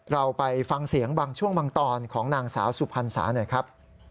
เราไปฟังเสียงบางช่วงบางตอนของนางสาวสุพรรณสาหน่อยครับ